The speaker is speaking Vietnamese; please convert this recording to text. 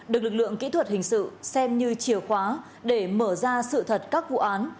được lực lượng kỹ thuật hình sự xem như chiều khóa để mở ra sự thật các vụ án